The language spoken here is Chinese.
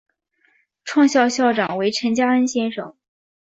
创校校长为陈加恩先生。